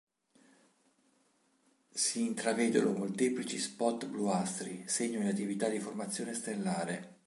Si intravedono molteplici spot bluastri, segno di attività di formazione stellare.